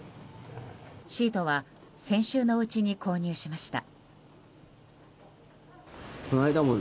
シートは先週のうちに購入しました。